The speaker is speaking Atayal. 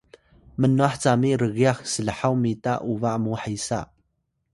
Pitay: mnwah cami rgyax slhaw mita uba mu hesa